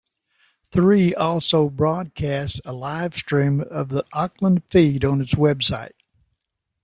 Three also broadcasts a livestream of the Auckland feed on its website.